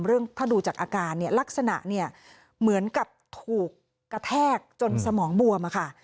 เรื่องถ้าดูจากอาการเนี่ยลักษณะเนี่ยเหมือนกับถูกกระแทกจนสมองบวมอะค่ะ